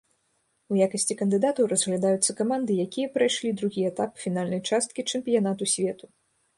У якасці кандыдатаў разглядаюцца каманды, якія прайшлі другі этап фінальнай часткі чэмпіянату свету.